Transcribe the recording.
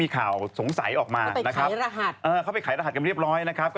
คชาพาที่นี่ครับ